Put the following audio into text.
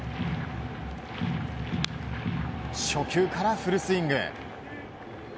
初球からフルスイング。